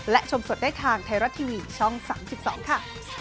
และชมสดได้ทางไทยรัฐทีวีช่อง๓๒ค่ะ